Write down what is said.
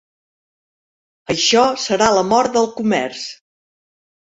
Això serà la mort del comerç.